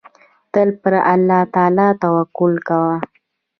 تل پر الله تعالی توکل کوه.